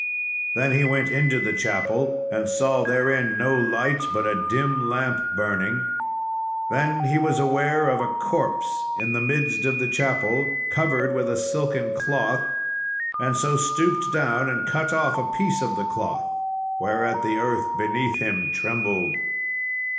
Then he went into the chapel, and saw therein no light but of a dim lamp burning. Then he was aware of a corpse in the midst of the chapel, covered with a silken cloth, and so stooped down and cut off a piece of the cloth, whereat the earth beneath him trembled.